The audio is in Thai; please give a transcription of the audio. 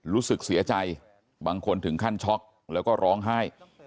รู้สึกเสียใจบางคนถึงขั้นช็อกแล้วก็ร้องไห้